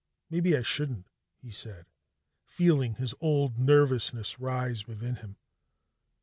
"Maybe I shouldn't," he said, feeling his old nervousness rise within him.